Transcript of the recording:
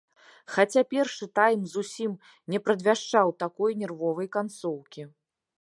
Хаця першы тайм зусім не прадвяшчаў такой нервовай канцоўкі.